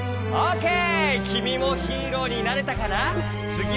オーケー！